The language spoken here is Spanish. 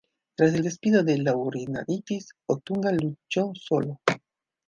Tras el despido de Laurinaitis, Otunga luchó solo.